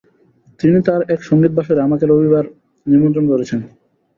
তিনি তাঁর এক সঙ্গীতবাসরে আমাকে আগামী রবিবারে নিমন্ত্রণ করেছেন।